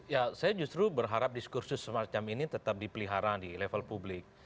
ya saya justru berharap diskursus semacam ini tetap dipelihara di level publik